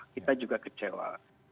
kita juga kecewa